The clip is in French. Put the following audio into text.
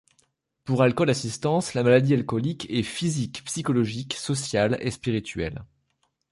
Pour Alcool Assistance, la maladie alcoolique est physique, psychologique, sociale et spirituelle.